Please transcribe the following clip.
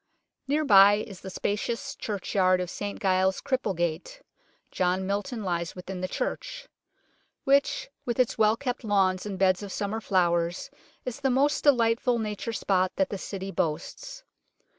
Near by is the spacious churchyard of St Giles Cripplegate John Milton lies within the church which with its well kept lawns and beds of summer flowers is the most delightful Nature spot that the City boasts.